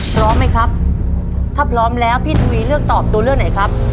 พร้อมไหมครับถ้าพร้อมแล้วพี่ทวีเลือกตอบตัวเลือกไหนครับ